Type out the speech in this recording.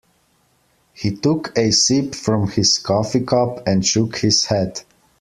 He took a sip from his coffee cup and shook his head.